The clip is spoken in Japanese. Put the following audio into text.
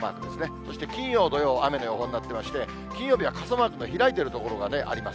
そして金曜、土曜、雨の予報になってまして、金曜日は傘マークの開いてる所があります。